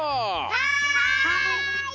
はい！